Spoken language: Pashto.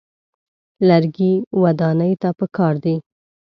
لرګي ودانۍ ته پکار دي.